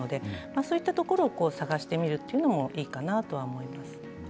そういったところを探してみるのもいいかなと思います。